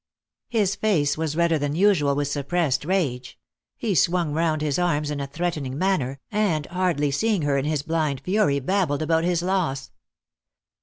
His face was redder than usual with suppressed rage; he swung round his arms in a threatening manner, and, hardly seeing her in his blind fury, babbled about his loss.